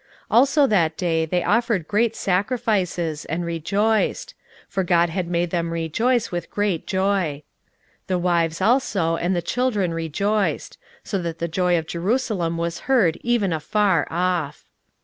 16:012:043 Also that day they offered great sacrifices, and rejoiced: for God had made them rejoice with great joy: the wives also and the children rejoiced: so that the joy of Jerusalem was heard even afar off.